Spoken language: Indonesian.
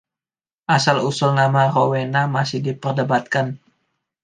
Asal usul nama “Rowena” masih diperdebatkan.